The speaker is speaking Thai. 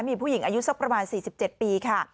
มีผู้หญิงอายุสักประมาณ๔๗ปีค่ะ